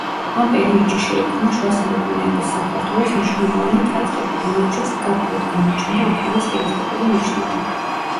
ამ პერიოდში შეიქმნა შუა საუკუნეების საქართველოს მნიშვნელოვანი ტაძრები, რომლებშიც მკაფიოდ გამოჩნდა ახალი სტილისტიკური ნიშნები.